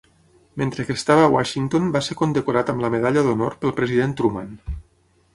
Mentre que estava a Washington va ser condecorat amb la Medalla d'Honor pel President Truman.